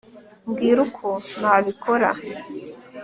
mbwira uko nabikora